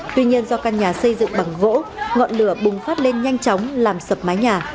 tuy nhiên do căn nhà xây dựng bằng gỗ ngọn lửa bùng phát lên nhanh chóng làm sập mái nhà